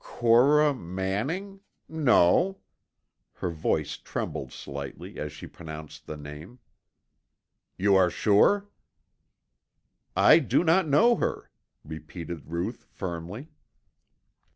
"Cora Manning? No." Her voice trembled slightly as she pronounced the name. "You are sure?" "I do not know her," repeated Ruth firmly.